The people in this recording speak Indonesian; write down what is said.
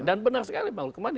dan benar sekali pak lukman